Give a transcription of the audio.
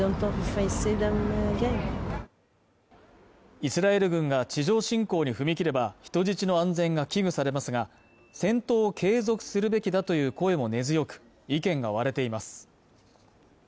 イスラエル軍が地上侵攻に踏み切れば人質の安全が危惧されますが戦闘を継続するべきだという声も根強く意見が割れています